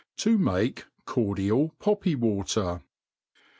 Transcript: To make Cordial Poppy Water.